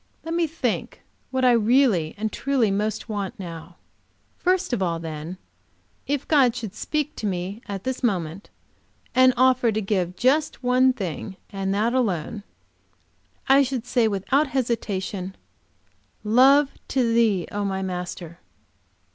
Let me think what I really and truly most want now. First of all, then, if God should speak to me at this moment and offer to give just one thing, and that alone, I should say without hesitation, Love to Thee, O my Master!